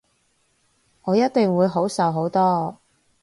我一定會好受好多